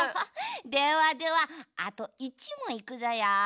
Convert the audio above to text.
ではではあと１もんいくぞよ。